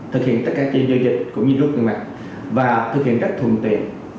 thực hiện tất cả các giao dịch cũng như rút ngân mặt và thực hiện rất thuận tiện